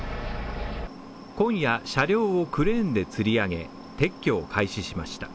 今夜、車両をクレーンでつり上げ、撤去を開始しました。